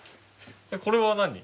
これは何？